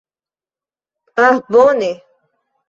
Ah bone.